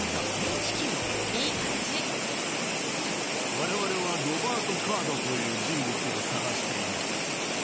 われわれはロバート・カードという人物を捜しています。